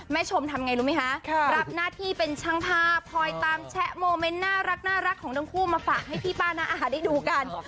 ชมทำไงรู้ไหมคะรับหน้าที่เป็นช่างภาพคอยตามแชะโมเมนต์น่ารักของทั้งคู่มาฝากให้พี่ป้าน้าอาหารได้ดูกัน